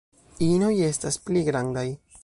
Inoj estas pli grandaj.